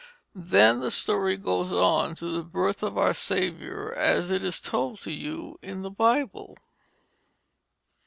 Then the story goes on to the birth of our Saviour as it is told to you in the Bible.